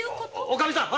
おかみさん！